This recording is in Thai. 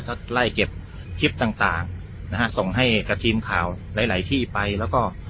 ก็ไล่เก็บคลิปต่างต่างนะฮะส่งให้กับทีมข่าวหลายหลายที่ไปแล้วก็